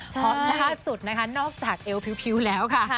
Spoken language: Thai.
เพราะล่าสุดนะคะนอกจากเอวพิวแล้วค่ะ